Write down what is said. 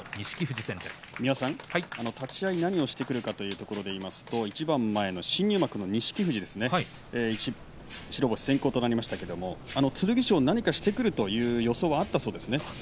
立ち合い何をしてくるかというところでいいますと一番前の新入幕の錦富士、白星先行となりましたけれども剣翔、何かしてくるという予想はあったそうです。